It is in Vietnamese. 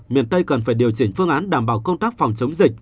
miền tây cần phải điều chỉnh phương án đảm bảo công tác phòng chống dịch